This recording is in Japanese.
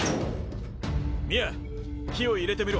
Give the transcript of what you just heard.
ミャア火を入れてみろ。